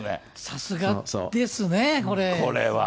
さすがですね。これは。